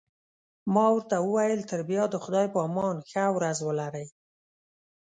ما ورته وویل: تر بیا د خدای په امان، ښه ورځ ولرئ.